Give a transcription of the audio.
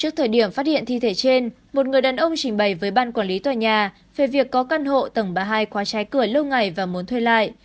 trước thời điểm phát hiện thi thể trên một người đàn ông trình bày với ban quản lý tòa nhà về việc có căn hộ tầng ba hai khóa trái cửa lâu ngày và muốn thuê lại